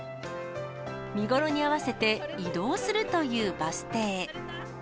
見頃に合わせて移動するというバス停。